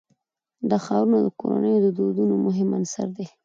دا ښارونه د کورنیو د دودونو مهم عنصر دی.